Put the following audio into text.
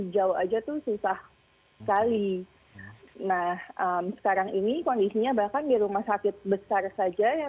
jauh aja tuh susah sekali nah sekarang ini kondisinya bahkan di rumah sakit besar saja ya